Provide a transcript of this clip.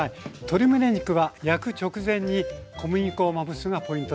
鶏むね肉は焼く直前に小麦粉をまぶすのがポイントでした。